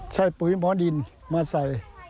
ใช่ปุ๋ยหมอนดินมาใส่